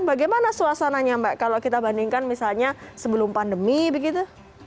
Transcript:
bagaimana suasananya mbak kalau kita bandingkan misalnya sebelum pandemi begitu